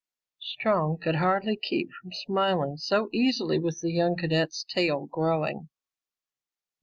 Strong could hardly keep from smiling, so easily was the young cadet's tale growing.